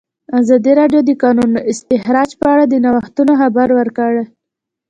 ازادي راډیو د د کانونو استخراج په اړه د نوښتونو خبر ورکړی.